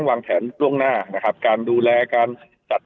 วางแถนตรงหน้าการดูแลการจัด